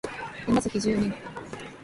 ヤマザキ十二年